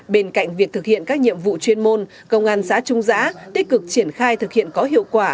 bên cạnh việc thực hiện các nhiệm vụ chuyên môn công an xã trung giã tích cực triển khai thực hiện có hiệu quả